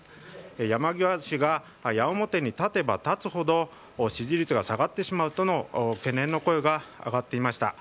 山際氏が矢面に立てばたつほど支持率が下がってしまうとの懸念の声が上がっていました。